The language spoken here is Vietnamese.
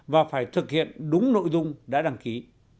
và phải thực hiện đúng nội dung đã đăng ký